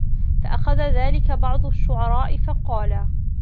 فَأَخَذَ ذَلِكَ بَعْضُ الشُّعَرَاءِ فَقَالَ